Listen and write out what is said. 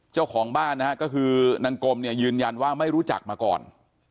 เจ้าของบ้านนะฮะก็คือนางกลมเนี่ยยืนยันว่าไม่รู้จักมาก่อน